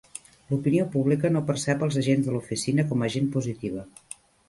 L'opinió pública no percep els agents de l'Oficina com a gent positiva.